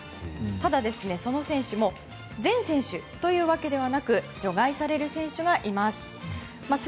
ただその選手も全選手というわけではなく除外される選手がいます。